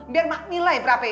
biar mak nilai berapa ini